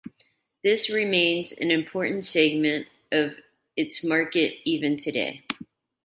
This remains an important segment of its market even today.